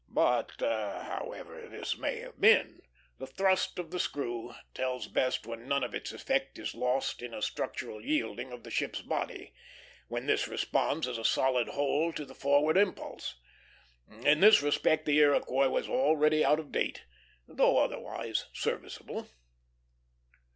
But, however this may have been, the thrust of the screw tells best when none of its effect is lost in a structural yielding of the ship's body; when this responds as a solid whole to the forward impulse. In this respect the Iroquois was already out of date, though otherwise serviceable.